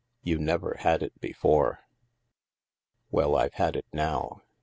You never had it before." " Well, I've had it now.